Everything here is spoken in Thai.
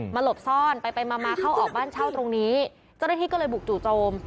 หลบซ่อนไปไปมามาเข้าออกบ้านเช่าตรงนี้เจ้าหน้าที่ก็เลยบุกจู่โจม